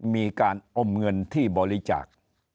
มีการอมเงินที่บริจาค